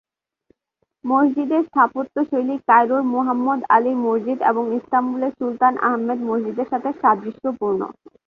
মসজিদের স্থাপত্যশৈলী কায়রোর মুহাম্মদ আলীর মসজিদ এবং ইস্তাম্বুলের সুলতান আহমেদ মসজিদের সাথে সাদৃশ্যপূর্ণ।